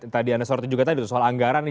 tadi anda sebutin juga tadi soal anggaran ini